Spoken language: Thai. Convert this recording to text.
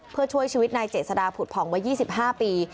เพื่อช่วยชีวิตนายเจษฎาผุดผ่องวัย๒๕ปี